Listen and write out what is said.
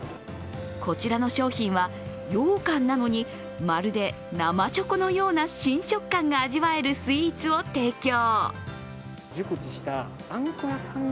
こちらの商品は、ようかんなのにまるで生チョコのような新食感が味わえるスイーツを提供。